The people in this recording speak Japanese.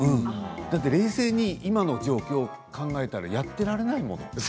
だって冷静に今の状況を考えたらやってられないもの。